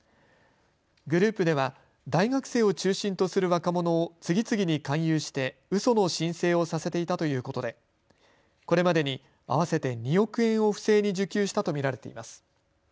グループでは大学生を中心とする若者を次々に勧誘してうその申請をさせていたということでこれまでに合わせて２億円を不正に受給したと見られています。